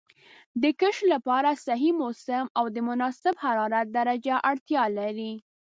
د کښت لپاره صحیح موسم او د مناسب حرارت درجه اړتیا لري.